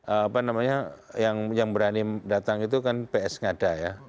apa namanya yang berani datang itu kan ps ngada ya